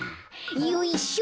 よいしょ。